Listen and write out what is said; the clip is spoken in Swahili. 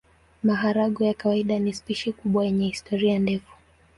Maharagwe ya kawaida ni spishi kubwa yenye historia ndefu.